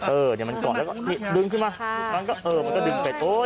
เออเนี่ยมันเกาะแล้วก็นี่ดึงขึ้นมามันก็เออมันก็ดึงเป็ดโอ๊ย